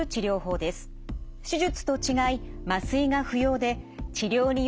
手術と違い